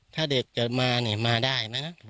ถ้าเด็กจะมานี่มาได้นะ